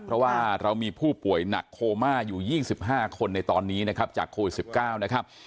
เพราะว่าเรามีผู้ป่วยหนักโคม่าอยู่๒๕คนในตอนนี้นะครับจากโควิด๑๙นะครับ